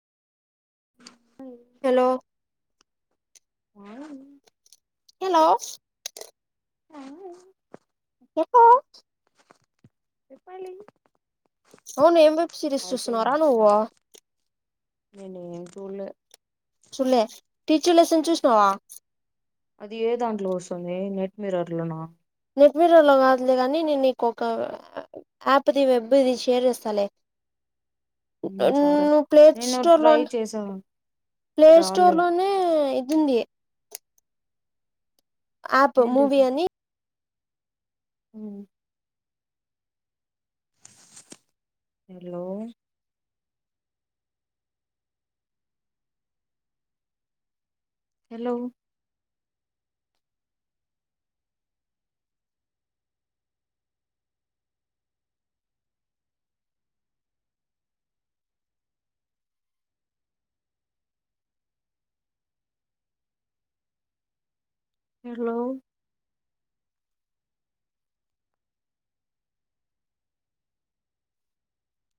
hello మొల్గానే hello అ ఎప్ప చెప్పాలి అవును ఎంవెబ్ సీరీస్ చూస్తున్నారా నువ్వా నేనేం చూడ్లే చూడ్లే టీచర్ లసన్ చూస్న్నా అది ఏ దాంట్లో వస్తుంది నెట్ మిరర్ లోనా నెటమిర్రర్లో కావదులేగని నేను నీకు ఒక యాప్ది వెబ్ ఇది షేర్ చేస్తాల హ్మ్ సరే ప్లే నేను స్టోర్ లో ట్రై చేసాను ప్లే స్టోర్ లోనే ఇదుంది ఆయాప్ మూవీ అని అ హలో హలో హలో